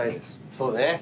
そうね。